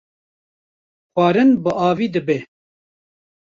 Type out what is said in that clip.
xwarin bi avî dibe